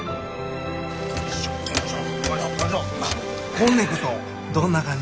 こんねくとどんな感じ？